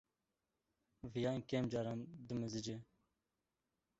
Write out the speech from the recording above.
Viyan kêm caran dimizice.